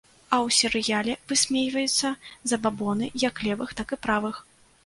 А ў серыяле высмейваюцца забабоны як левых, так і правых.